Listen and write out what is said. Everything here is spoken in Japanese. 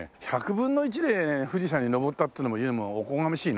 １００分の１で富士山に登ったって言うのもおこがましいな。